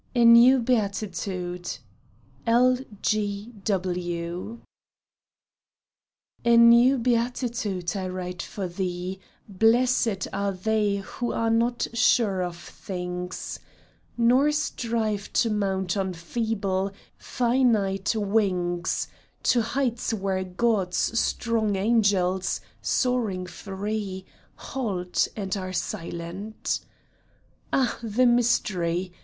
A NEW BEATITUDE L. G. W. " A NEW beatitude I write for thee, ' Blessed are they who are not sure of things,^ Nor strive to mount on feeble, finite wings To heights where God's strong angels, soaring free, Halt and are silent." Ah, the mystery